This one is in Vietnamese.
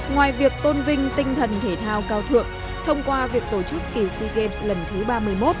ngoài việc tôn vinh tinh thần thể thao cao thượng thông qua việc tổ chức kỳ sea games lần thứ ba mươi một